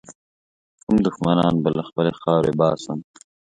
کوم دښمنان به له خپلي خاورې باسم.